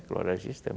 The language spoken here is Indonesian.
keluar dari sistem